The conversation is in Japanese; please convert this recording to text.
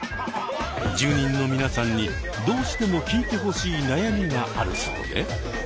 住人の皆さんにどうしても聞いてほしい悩みがあるそうで。